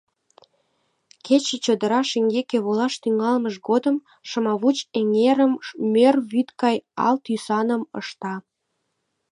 Кече чодыра шеҥгеке волаш тӱҥалмыж годым Шымавуч эҥерым мӧр вӱд гай ал тӱсаным ышта.